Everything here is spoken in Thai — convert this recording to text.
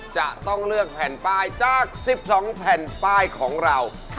จะต้องเลือกแผ่นป้ายจาก๑๒แผ่นป้ายของเรา